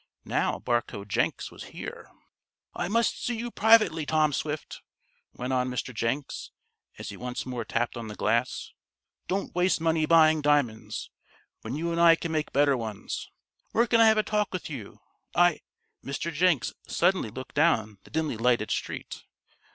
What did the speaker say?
Now Barcoe Jenks was here. "I must see you privately, Tom Swift," went on Mr. Jenks, as he once more tapped on the glass. "Don't waste money buying diamonds, when you and I can make better ones. Where can I have a talk with you? I " Mr. Jenks suddenly looked down the dimly lighted street.